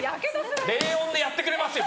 冷温でやってくれますよ！